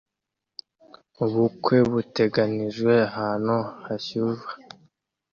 Ubukwe buteganijwe ahantu hashyuha